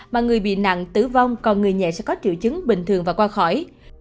mà người bị nặng tử vong còn người nhẹ sẽ có triệu chứng bình thường và qua khỏi